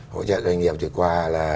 hỗ trợ doanh nghiệp thì qua là